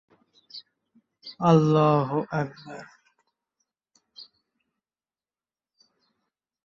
Police তাকে সন্দেহ করলে গ্রেপ্তারি এড়াতে পেশোয়ার চলে যান।